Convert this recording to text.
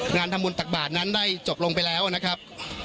งานทำบุญตักบาทนั้นได้จบลงไปแล้วนะครับ